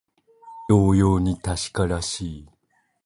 同様に確からしい